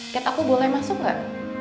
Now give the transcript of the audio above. kat aku boleh masuk gak